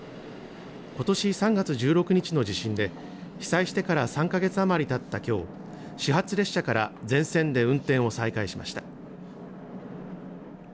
ことし３月１６日の地震で被災してから３か月余りたったきょう、始発列車から全線で運転を再開しました。